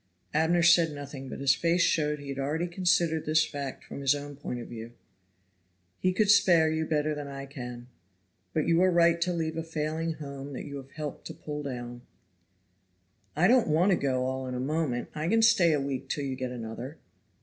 Abner said nothing, but his face showed he had already considered this fact from his own point of view. "He could spare you better than I can; but you are right to leave a falling house that you have helped to pull down." "I don't want to go all in a moment. I can stay a week till you get another."